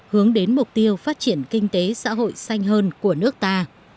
hướng đến mục tiêu phát triển kinh tế xã hội xanh hơn của nước ta